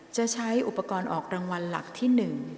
จะใช้อุปกรณ์ออกรางวัลหลักที่๑